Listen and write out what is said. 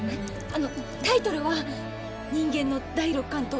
あのタイトルは「人間の第六感とＡＩ」。